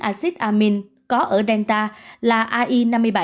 acid amin có ở delta là ai năm mươi bảy